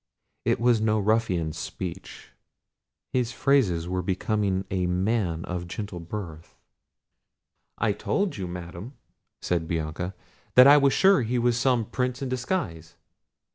It was no ruffian's speech; his phrases were becoming a man of gentle birth." "I told you, Madam," said Bianca, "that I was sure he was some Prince in disguise."